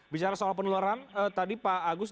bicara soal penularan tadi pak agus